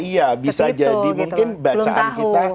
iya bisa jadi mungkin bacaan kita